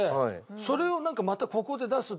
それをなんかまたここで出す。